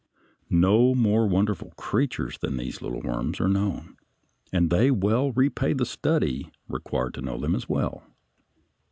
No more wonderful creatures than these little worms are known, and they well repay the study required to know them well.